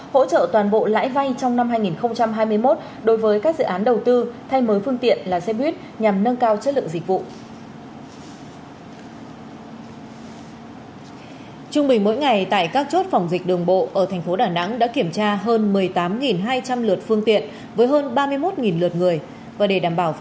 hỗ trợ toàn bộ lãi vay trong năm hai nghìn hai mươi một đối với các dự án đầu tư thay mới phương tiện là xe buýt nhằm nâng cao chất lượng dịch vụ